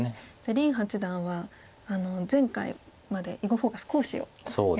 林八段は前回まで「囲碁フォーカス」講師をやられていましたね。